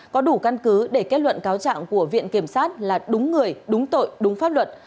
có đủ căn cứ để kết luận cáo trạng của viện kiểm sát là đúng người đúng tội đúng pháp luật